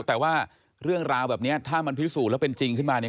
แต่ว่าเรื่องราวแบบนี้ถ้ามันพิสูจน์แล้วเป็นจริงขึ้นมาเนี่ย